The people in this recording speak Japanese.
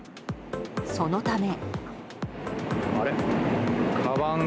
そのため。